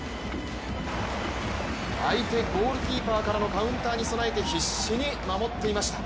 相手ゴールキーパーからのカウンターに備えて必死に守っていました。